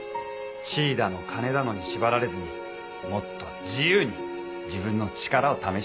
地位だの金だのに縛られずにもっと自由に自分の力を試してみたかったんだ。